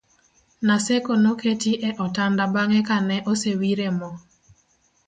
Naseko noketi e otanda bang'e ka ne osewire mo